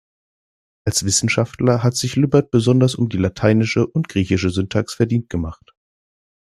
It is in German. Als Wissenschaftler hat sich Lübbert besonders um die lateinische und griechische Syntax verdient gemacht.